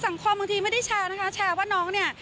บางทีไม่ได้แชร์นะคะแชร์ว่าน้องเนี่ย